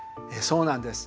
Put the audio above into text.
そうなんです。